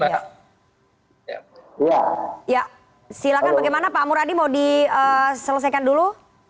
ya silahkan bagaimana pak muradi mau diselesaikan dulu